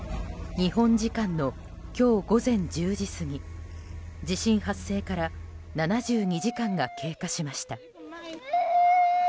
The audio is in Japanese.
日本時間の今日午前１０時過ぎ地震発生から７２時間が経過しました。